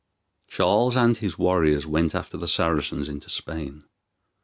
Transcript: Charles and his warriors went after the Saracens into Spain.